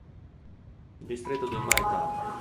Distretto di Mae Tha